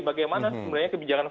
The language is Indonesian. bagaimana sebenarnya kebijakan ekonomi